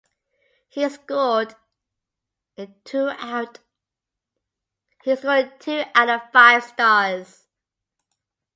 He scored it two out of five stars.